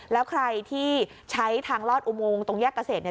แล้วใครที่ใช้ทางลอดอุโมงตรงแยกเกษตร